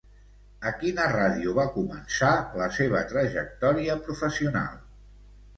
A quina ràdio va començar la seva trajectòria professional?